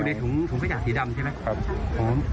มันอยู่ในถุงภาคขยะสีดำใช่ไหม